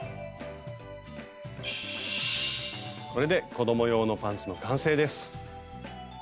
これで子ども用のパンツの完成です！